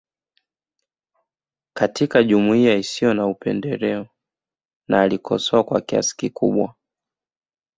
Katika jumuiya isiyo na upendeleo na alikosoa kwa kiasi kikubwa